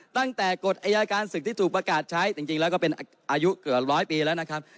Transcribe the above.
กฎอายการศึกที่ถูกประกาศใช้จริงแล้วก็เป็นอายุเกือบร้อยปีแล้วนะครับ